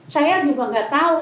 saya juga gak tahu